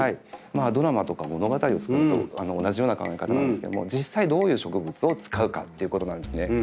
ドラマとか物語を作るのと同じような考え方なんですけども実際どういう植物を使うかっていうことなんですね。